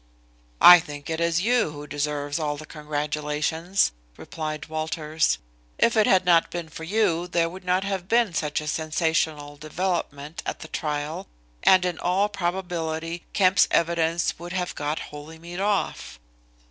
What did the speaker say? "I think it is you who deserves all the congratulations," replied Walters. "If it had not been for you there would not have been such a sensational development at the trial and in all probability Kemp's evidence would have got Holymead off."